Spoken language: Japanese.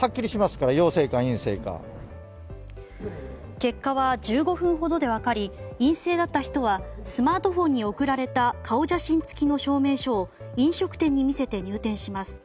結果は１５分ほどで分かり陰性だった人はスマートフォンに送られた顔写真付きの証明書を飲食店に見せて入店します。